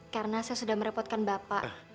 karena saya sudah merepotkan bapak